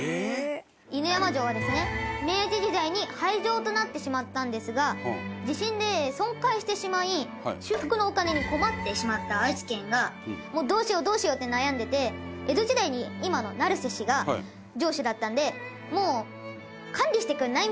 犬山城はですね、明治時代に廃城となってしまったんですが地震で損壊してしまい修復のお金に困ってしまった愛知県がどうしよう、どうしようって悩んでて江戸時代に今の成瀬氏が城主だったので管理してくれない？